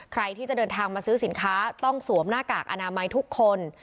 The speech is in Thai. ใครที่จะเดินทางมาซื้อสินค้าต้องสวมหน้ากากอนามัยทุกคน